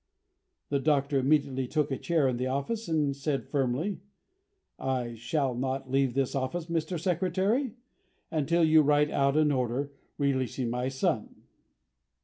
The Doctor immediately took a chair in the office, and said firmly: "I shall not leave this office, Mr. Secretary, until you write out an order releasing my son."